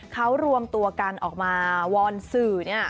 เขารวมตัวกันออกมาวอนสื่อ